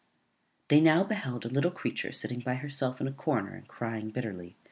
They now beheld a little creature sitting by herself in a corner, and crying bitterly.